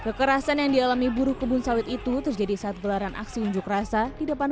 kekerasan yang dialami buruh kebun sawit itu terjadi saat gelaran aksi unjuk rasa di depan